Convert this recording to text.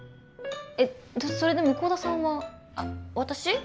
えっそれで向田さんは。私？